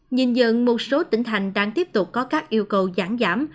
nhìn dựng một số tỉnh thành đang tiếp tục có các yêu cầu giảm giảm